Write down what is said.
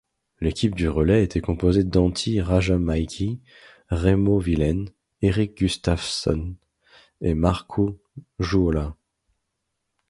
L'équipe du relais était composée d'Antti Rajamäki, Raimo Vilén, Erik Gustafsson et Markku Juhola.